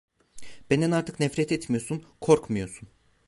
Benden artık nefret etmiyorsun, korkmuyorsun…